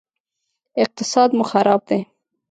اقتصاد مو خراب دی